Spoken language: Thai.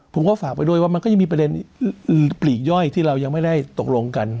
ผมก็ฝากไปด้วยว่ามันก็ยังมีประเด็นปลีกย่อยที่เรายังไม่ได้ตกลงกัน